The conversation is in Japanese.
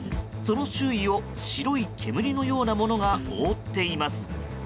その周囲を白い煙のようなものが覆っています。